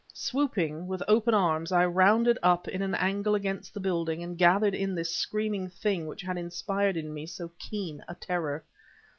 Swooping, with open arms, I rounded up in an angle against the building and gathered in this screaming thing which had inspired in me so keen a terror.